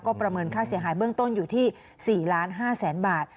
ประเมินค่าเสียหายเบื้องต้นอยู่ที่๔๕๐๐๐๐บาท